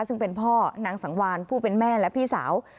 ซึ่งเป็นพ่อนางสังวานผู้เป็นแม่และพี่สาว